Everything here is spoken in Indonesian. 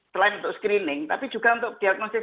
selain untuk screening tapi juga untuk diagnosis